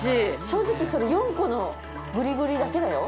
正直それ４個のグリグリだけだよ。